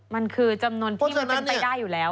มันคือจำนวนที่มันเป็นไปได้อยู่แล้ว